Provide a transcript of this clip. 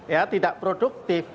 ya tidak produktif